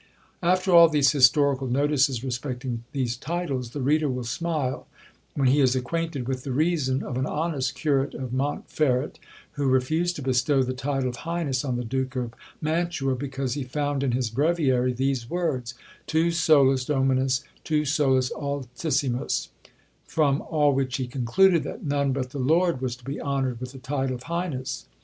After all these historical notices respecting these titles, the reader will smile when he is acquainted with the reason of an honest curate of Montferrat, who refused to bestow the title of highness on the duke of Mantua, because he found in his breviary these words, Tu solus Dominus, tu solus Altissimus; from all which he concluded, that none but the Lord was to be honoured with the title of highness!